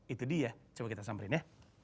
itu dia coba kita samperin ya